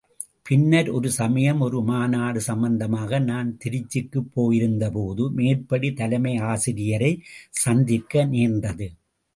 பின்னர் ஒரு சமயம் ஒரு மாநாடு சம்பந்தமாக நான் திருச்சிக்குப் போயிருந்தபோது மேற்படி தலைமை ஆசிரியரைச் சந்திக்க நேர்ந்தது.